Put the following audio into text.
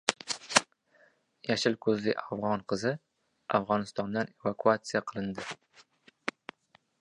"Yashil ko‘zli afg‘on qizi" Afg‘onistondan evakuasiya qilindi